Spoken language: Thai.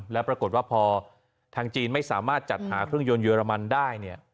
แล้วปรากฏว่าพอทางจีนไม่สามารถจัดหาเครื่องยนต์เยอรมันได้